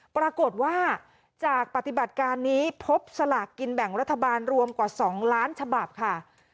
ปรากฏว่าจากปฏิบัติการนี้พบสลากกินแบ่งรัฐบาลรวมกว่า๒ล้านฉบับค่ะ